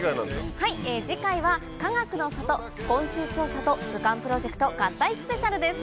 はい次回はかがくの里昆虫調査と図鑑プロジェクト合体スペシャルです。